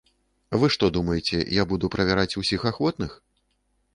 Вы што думаеце, я буду правяраць усіх ахвотных?